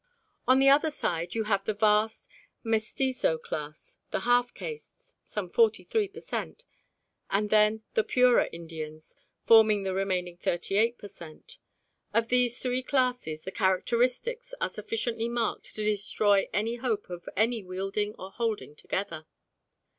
On the other side you have the vast mestizo class the half castes some 43 per cent., and then the purer Indians, forming the remaining 38 per cent. Of these three classes the characteristics are sufficiently marked to destroy hope of any welding or holding together.